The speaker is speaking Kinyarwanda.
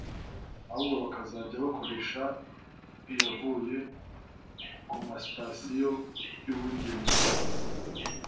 ahubwo bakazajya bakoresha iyavuye ku masitasiyo yabugenewe